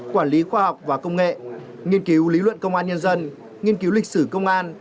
quản lý khoa học và công nghệ nghiên cứu lý luận công an nhân dân nghiên cứu lịch sử công an